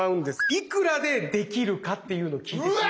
「いくらでできるか」っていうのを聞いてしまう。